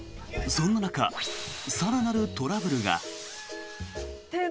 そんな中更なるトラブルが。